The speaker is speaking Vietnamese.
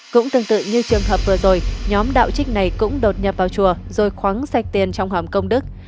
cũng tương tự như trường hợp vừa rồi nhóm đạo trích này cũng đột nhập vào chùa rồi khoáng sạch tiền trong hòm công đức